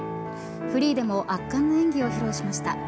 フリーでも圧巻の演技を披露しました。